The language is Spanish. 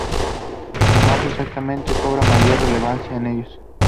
O, más exactamente, cobra mayor relevancia en ellos".